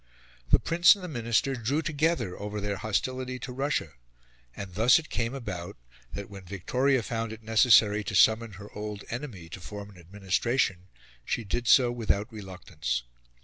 The Prince and the Minister drew together over their hostility to Russia, and thus it came about that when Victoria found it necessary to summon her old enemy to form an administration she did so without reluctance.